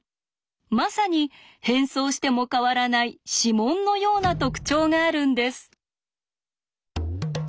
まさに変装しても変わらない指紋のような特徴があるんです。